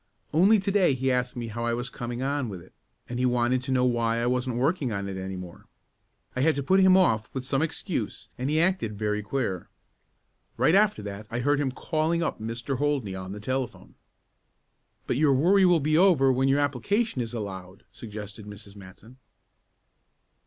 Only to day he asked me how I was coming on with it, and he wanted to know why I wasn't working on it any more. I had to put him off with some excuse and he acted very queer. Right after that I heard him calling up Mr. Holdney on the telephone." "But your worry will be over when your application is allowed," suggested Mrs. Matson.